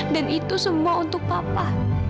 dan itu semua untuk papa